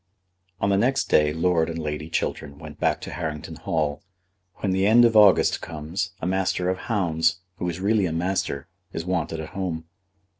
On the next day Lord and Lady Chiltern went back to Harrington Hall. When the end of August comes, a Master of Hounds, who is really a master, is wanted at home.